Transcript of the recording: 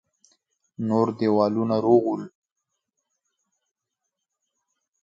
نور دېوالونه روغ ول.